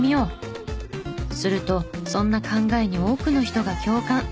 するとそんな考えに多くの人が共感。